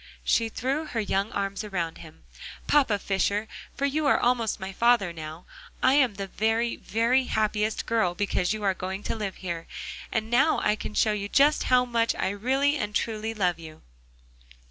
She threw her young arms around him. "Papa Fisher for you are almost my father now I am the very, very happiest girl because you are going to live here, and now I can show you just how much I really and truly love you."